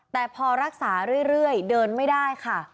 แต่พอรักษาเรื่อยเดินไม่ได้ค่ะ